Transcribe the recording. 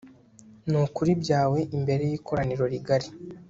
n'ukuri byawe imbere y'ikoraniro rigari